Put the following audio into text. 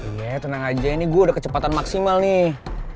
iya tenang aja ini gue udah kecepatan maksimal nih